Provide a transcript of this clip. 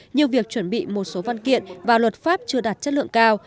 như việc chuẩn bị một số văn kiện và luật pháp chưa đạt chất lượng cao